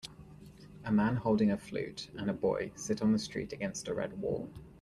A man holding a flute and a boy sit on a street against a red wall.